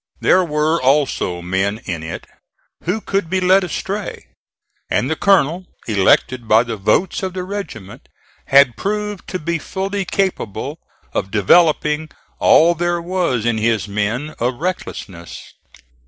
There were also men in it who could be led astray; and the colonel, elected by the votes of the regiment, had proved to be fully capable of developing all there was in his men of recklessness.